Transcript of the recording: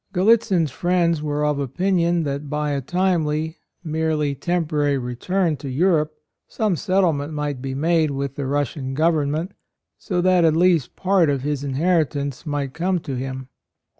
Gallitzin's friends were of opinion that by a timely, merely temporary return to Em ope, some settlement might be made with the Russian government so that at least part of his inheritance might come to him.